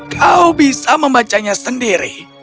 kau bisa membacanya sendiri